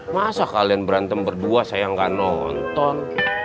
masa kalian berantem berdua saya nggak nonton